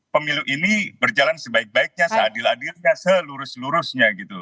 pemilu ini berjalan sebaik baiknya seadil adilnya selurus lurusnya gitu